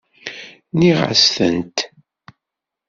Nɣiɣ-as-tent.